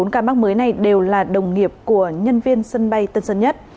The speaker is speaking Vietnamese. bốn ca mắc mới này đều là đồng nghiệp của nhân viên sân bay tân sơn nhất